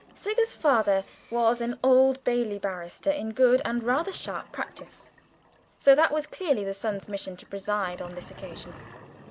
Siggers' father was an Old Bailey barrister in good and rather sharp practice, so that it was clearly the son's mission to preside on this occasion.